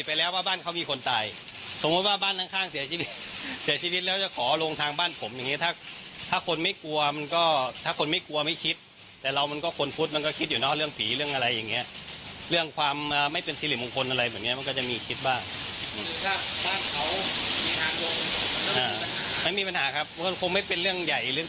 เพราะว่าบ้านข้างเสียชีวิตเสียชีวิตแล้วจะขอลงทางบ้านผมอย่างนี้ถ้าคนไม่กลัวมันก็ถ้าคนไม่กลัวไม่คิดแต่เรามันก็คนพุทธมันก็คิดอยู่นอกเรื่องผีเรื่องอะไรอย่างเงี้ยเรื่องความไม่เป็นศิริมงคลอะไรอย่างเงี้ยมันก็จะมีคิดบ้าง